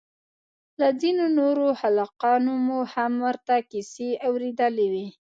له ځينو نورو هلکانو مو هم ورته کيسې اورېدلې وې.